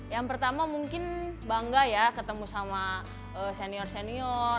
yang pertama mungkin bangga ya ketemu sama senior senior